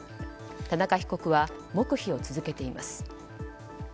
田中被告は黙秘を続けています。